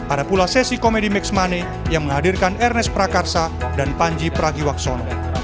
ada pula sesi komedi max money yang menghadirkan ernest prakarsa dan panji pragiwaksono